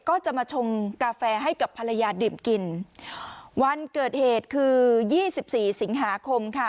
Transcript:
ก็จะมาชงกาแฟให้กับภรรยาดื่มกินวันเกิดเหตุคือยี่สิบสี่สิงหาคมค่ะ